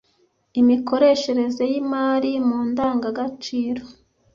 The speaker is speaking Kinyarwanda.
imikoreshereze y ‘imari mu ndangagaciro